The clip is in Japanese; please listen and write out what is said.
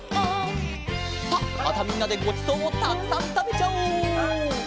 さあまたみんなでごちそうをたくさんたべちゃおう。